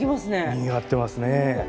にぎわってますね。